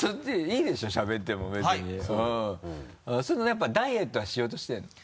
やっぱダイエットはしようとしてるの？